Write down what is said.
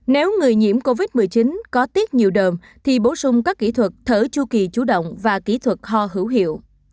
nếu người nhiễm covid một mươi chín có tiết nhiều đờm thì bổ sung các kỹ thuật thở chu kỳ chủ động và kỹ thuật ho hữu hiệu